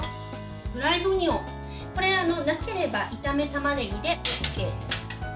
フライドオニオンこれはなければ炒めた、たまねぎでＯＫ。